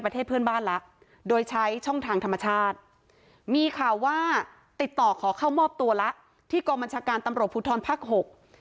ติดต่อขอเข้ามอบตัวละที่กรมัญชาการตำรวจภูทรภักดิ์๖